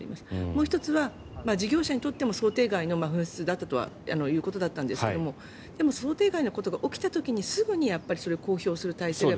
もう１つは事業者にとっても想定外の噴出だったということなんですがでも、想定外のことが起きた時にすぐに公表する体制が